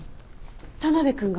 田辺君が？